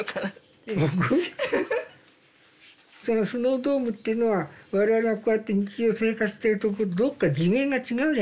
そのスノードームっていうのは我々がこうやって日常生活しているところとどっか次元が違うじゃないですか。